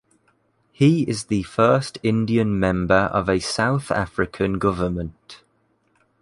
He is the first Indian member of a South African government.